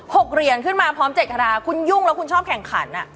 ๖เหรียญขึ้นมาพร้อม๗ฆคุณยุ่งแล้วคุณชอบแข่งขันอะ